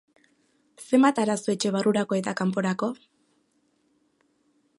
Zenbat arazo etxe barrurako eta kanporako?